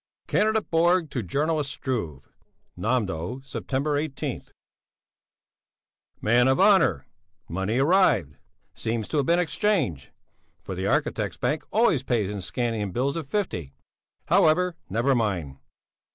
CANDIDATE BORG to JOURNALIST STRUVE NÄMDÖ, September 18 MAN OF HONOUR! Money arrived! Seems to have been exchanged, for the Architects' Bank always pays in Scanian bills of fifty. However, never mind!